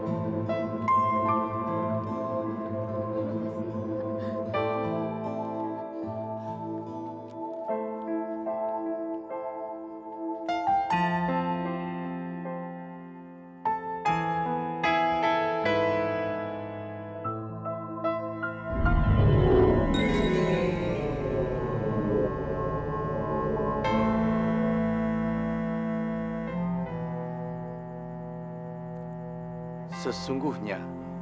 dan practitioners protagonisnya tidak akan membahagiakan kita